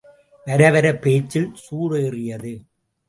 வரவர பேச்சில் சூடேறியது.